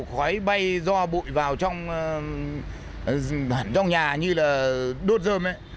khói bay do bụi vào trong nhà như là đốt rơm ấy